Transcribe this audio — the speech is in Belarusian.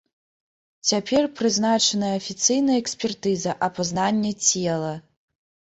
Цяпер прызначаная афіцыйная экспертыза апазнання цела.